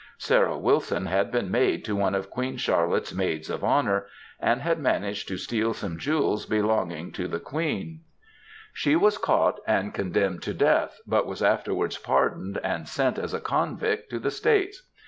Sarah Wilscm had been maid to one of Queen Charlotte^s Maids of 248 MEN, WOMEN, AND MINXES Honour, and had managed to steal some jewels belonging to the Queen. She was caught and condemned to death, bat was afterwards pardoned and sent as a convict to the States.